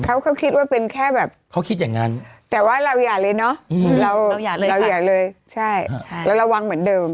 แต่ว่าเราอยากเลยเนอะเราอยากเลยแล้วระวังเหมือนเดิม